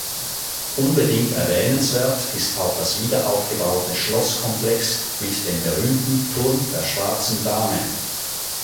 Unbedingt erwähnenswert ist auch das wiederaufgebaute Schlosskomplex mit dem berühmten "Turm der Schwarzen Dame".